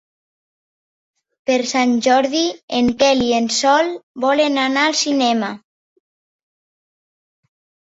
Per Sant Jordi en Quel i en Sol volen anar al cinema.